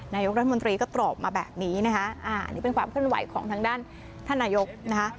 นายกรัฐมนตรีก็ตอบมาแบบนี้นะคะอันนี้เป็นความเคลื่อนไหวของทางด้านท่านนายกนะคะ